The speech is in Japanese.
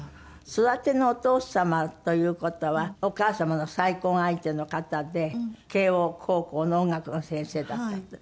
育てのお父様という事はお母様の再婚相手の方で慶應高校の音楽の先生だったって。